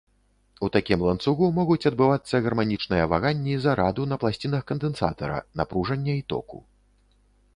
У такім ланцугу могуць адбывацца гарманічныя ваганні зараду на пласцінах кандэнсатара, напружання і току.